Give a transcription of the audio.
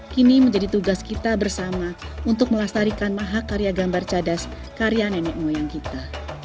kini menjadi tugas kita bersama untuk melestarikan maha karya gambar cadas karya nenek moyang kita